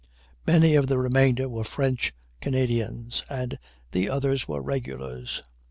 Many of the remainder were French Canadians, and the others were regulars.